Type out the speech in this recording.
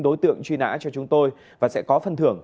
đối tượng truy nã cho chúng tôi và sẽ có phân thưởng